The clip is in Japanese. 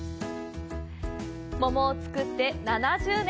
桃を作って７０年。